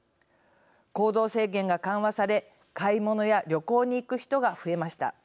行動制限が緩和され買い物や旅行に行く人が増えました。